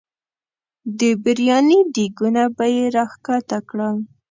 د برياني دیګونه به یې راښکته کړل.